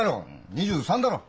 ２３だろう！